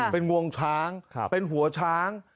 เป็นงวงช้างเป็นหัวช้าง